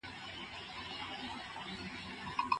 غړي د بهرنيو ځواکونو پر وتلو بحث کوي.